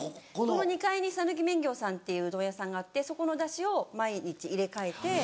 この２階にさぬき麺業さんっていううどん屋さんがあってそこのダシを毎日入れ替えて。